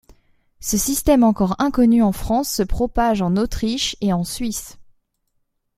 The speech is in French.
Ce système encore inconnu en France se propage en Autriche et en Suisse.